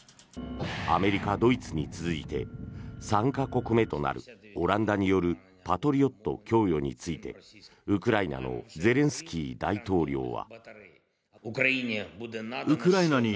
アメリカ、ドイツに続いて３か国目となるオランダによるパトリオット供与についてウクライナのゼレンスキー大統領は。